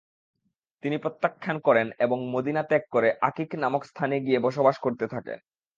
তিনি প্রত্যাখ্যান করেন এবং মদীনা ত্যাগ করে আকীক নামক স্থানে গিয়ে বসবাস করতে থাকেন।